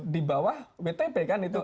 di bawah wtp kan itu